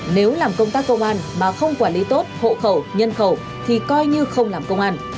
nếu làm công tác công an mà không quản lý tốt hộ khẩu nhân khẩu thì coi như không làm công an